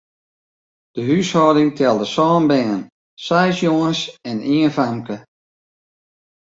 De húshâlding telde sân bern, seis jonges en ien famke.